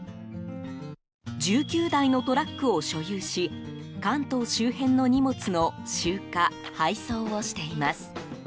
１９台のトラックを所有し関東周辺の荷物の集荷・配送をしています。